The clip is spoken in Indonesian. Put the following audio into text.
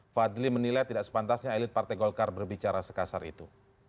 fadli menilai tidak sepantasnya elit partai golkar berbicara sekasar itu